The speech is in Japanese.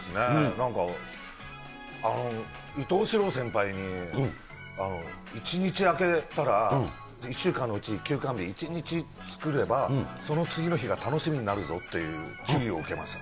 なんか伊東四朗先輩に、１日あけたら、１週間のうち休肝日、１日作れば、その次の人が楽しみになるぞっていうを受けました。